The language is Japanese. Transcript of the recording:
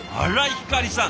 ひかりさん